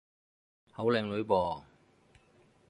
好靚女噃